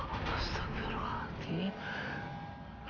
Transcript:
apa sudah beruang hati